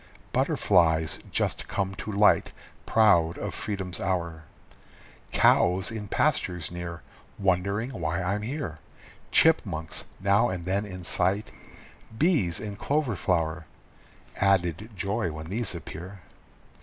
Butterflies just come to light, proud of freedom's hour, Cows in pastures near, Wondering why I'm here, Chipmunks now and then in sight, bees in clover flower Added joy when these appear!